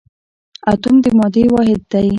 اتوم د مادې واحد دی